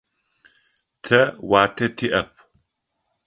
Тэ уатэ тиӏэп.